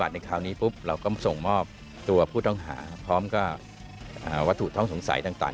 เราก็ส่งมอบตัวผู้ต้องหาพร้อมก็วัตถุท้องสงสัยต่าง